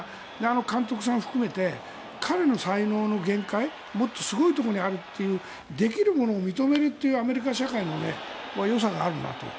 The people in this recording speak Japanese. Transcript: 監督さん含めて彼の才能の限界もっとすごいところになるというできる者を認めるアメリカ社会のよさがあるなと。